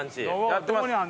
やってます。